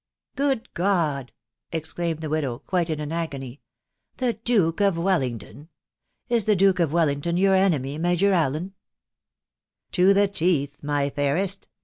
" Good God !".... exclaimed the widow, quite in an agony :" the Duke of Wellington ! Is the Duke of Wel lington your enemy, Major Allen ?" "To the teeth, my fairest!